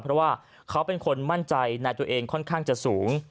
เพราะว่าเขาเป็นคนมั่นใจในตัวเองค่อนข้างจะสูง